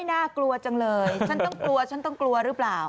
น่ากลัวจังเลยฉันต้องกลัวฉันต้องกลัวหรือเปล่า